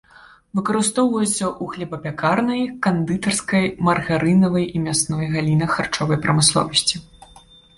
Выкарыстоўваюцца ў хлебапякарнай, кандытарскай, маргарынавай і мясной галінах харчовай прамысловасці.